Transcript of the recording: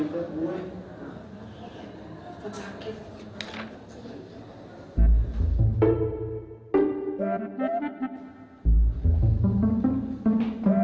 kayaknya udah ngejumpa gue